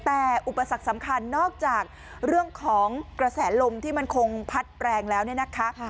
แต่อุปสรรคสำคัญนอกจากเรื่องของกระแสลมที่มันคงพัดแรงแล้วเนี่ยนะคะ